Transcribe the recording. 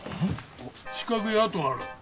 四角い跡がある。